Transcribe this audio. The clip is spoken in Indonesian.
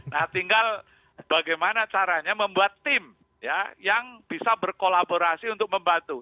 nah tinggal bagaimana caranya membuat tim ya yang bisa berkolaborasi untuk membantu